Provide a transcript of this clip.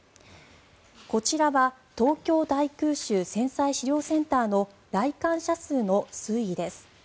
こちらは東京大空襲・戦災資料センターの来館者数の推移です。